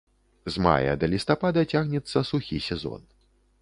З мая да лістапада цягнецца сухі сезон.